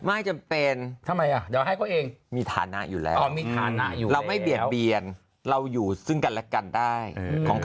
ไม่จำเป็นทำไมอ่ะเดี๋ยวให้เขาเอง